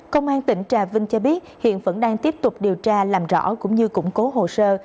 công an tỉnh trà vinh cho biết hiện vẫn đang tiếp tục điều tra làm rõ cũng như củng cố hồ sơ